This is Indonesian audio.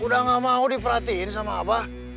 udah gak mau diperhatiin sama apa